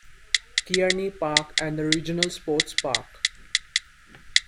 Kearney Park and the Regional Sports Park.